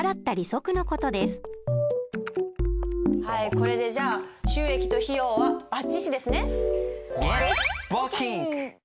これでじゃあ収益と費用はばっちしですね。